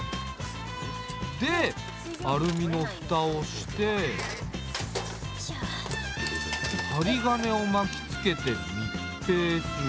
でアルミの蓋をして針金を巻きつけて密閉する。